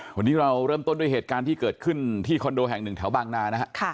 วันนี้เราร่วมต้นด้วยเหตุการณ์ที่เกิดขึ้นที่คอนโดแห่ง๑แถวบ้างนา